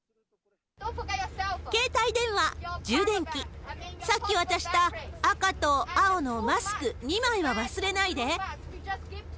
携帯電話、充電器、さっき渡した赤と青のマスク２枚は忘れないで。